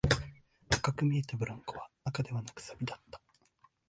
赤く見えたブランコは赤ではなく、錆だった